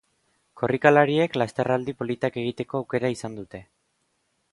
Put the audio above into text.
Korrikalariek lasterraldi politak egiteko aukera izan dute.